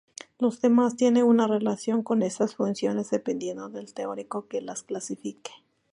Los demás tiene una relación con estas funciones dependiendo del teórico que las clasifique.